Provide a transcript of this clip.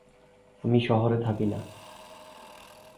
আমি শহরে থাকি না।